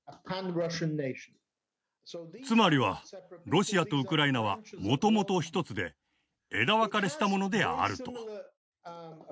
つまりはロシアとウクライナはもともと一つで枝分かれしたものであると。